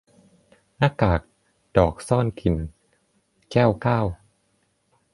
หน้ากากดอกซ่อนกลิ่น - แก้วเก้า